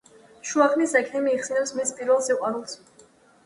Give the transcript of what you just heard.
შუახნის ექიმი იხსენებს მის პირველ სიყვარულს.